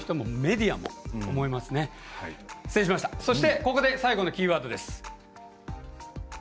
ここで最後のキーワードです。